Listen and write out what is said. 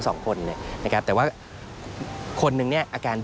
พบหน้าลูกแบบเป็นร่างไร้วิญญาณ